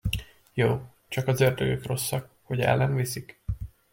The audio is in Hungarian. Jó, csak az ördögök rosszak, hogy el nem viszik.